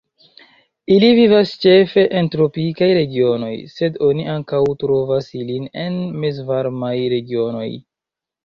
Ili vivas ĉefe en tropikaj regionoj, sed oni ankaŭ trovas ilin en mezvarmaj regionoj.